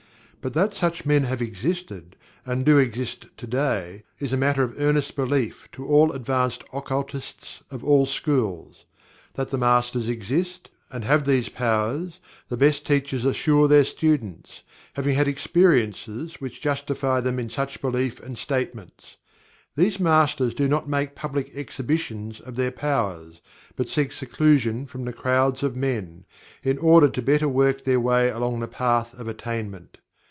But that such men have existed, and do exist today, is a matter of earnest belief to all advanced occultists of all schools. That the Masters exist, and have these powers, the best teachers assure their students, having had experiences which justify them in such belief and statements. These Masters do not make public exhibitions of their powers, but seek seclusion from the crowds of men, in order to better work their may along the Path of Attainment.